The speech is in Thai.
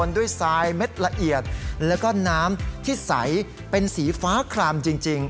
ด้วยทรายเม็ดละเอียดแล้วก็น้ำที่ใสเป็นสีฟ้าคลามจริง